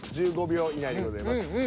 １５秒以内でございます。